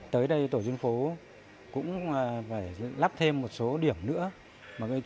tới đây tổ dân phố cũng phải lắp thêm một số điểm nữa